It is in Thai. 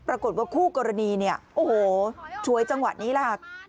ปรากฏว่าคู่กรณีเนี่ยโอ้โหฉวยจังหวะนี้แหละค่ะ